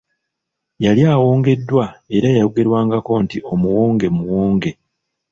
Yali awongeddwa era yayogerwangako nti omuwonge Muwonge.